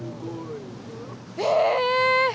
え！